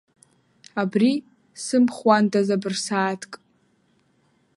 Абри сымбхуандаз абырсааҭк!